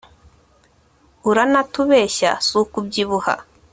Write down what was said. Uranatubeshya si ukubyibuha